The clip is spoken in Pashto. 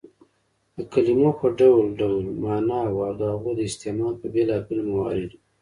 د کلیمو په ډول ډول ماناوو او د هغو د استعمال په بېلابيلو مواردو